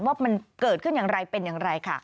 ว่ามันเกิดขึ้นอย่างไรเป็นอย่างไรค่ะ